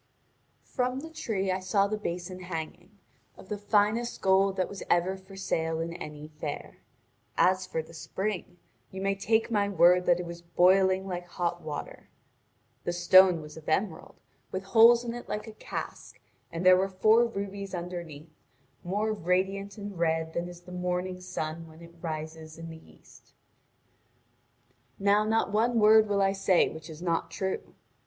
From the tree I saw the basin hanging, of the finest gold that was ever for sale in any fair. As for the spring, you may take my word that it was boiling like hot water. The stone was of emerald, with holes in it like a cask, and there were four rubies underneath, more radiant and red than is the morning sun when it rises in the east. Now not one word will I say which is not true.